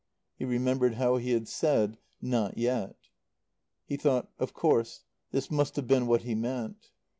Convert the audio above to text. He remembered how he had said, "Not yet." He thought: "Of course; this must have been what he meant."